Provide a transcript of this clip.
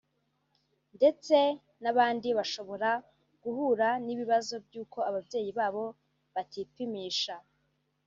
ndetse n’abandi bashobora guhura n’ibibazo by’uko ababyeyi babo batipimisha